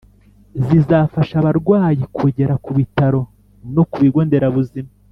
zifasha abarwayi kugera ku bitaro no ku bigo Nderabuzima